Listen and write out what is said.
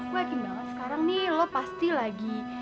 gue yakin banget sekarang nih lo pasti lagi